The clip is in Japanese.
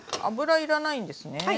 油要らないんですね？